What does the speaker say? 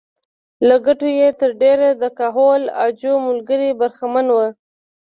له ګټو یې تر ډېره د کهول اجاو ملګري برخمن وو.